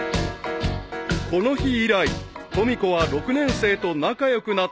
［この日以来とみ子は６年生と仲良くなっていった］